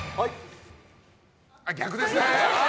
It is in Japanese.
逆ですね。